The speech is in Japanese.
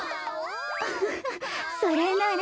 ウフフそれなら。